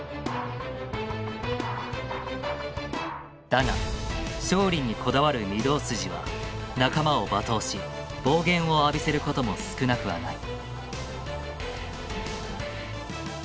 だが勝利にこだわる御堂筋は仲間を罵倒し暴言を浴びせることも少なくはない。